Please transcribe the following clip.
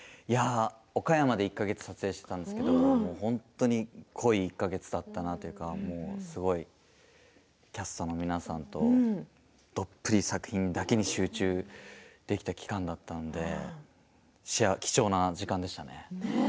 岡山で１か月撮影していたんですけれど本当に濃い１か月だったなというかすごいキャストの皆さんとどっぷり作品だけに集中できた期間だったので貴重な時間でしたね。